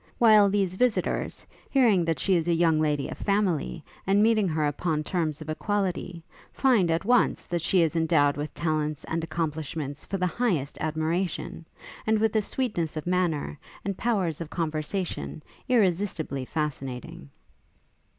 While these visitors, hearing that she is a young lady of family, and meeting her upon terms of equality, find, at once, that she is endowed with talents and accomplishments for the highest admiration, and with a sweetness of manners, and powers of conversation, irresistibly fascinating.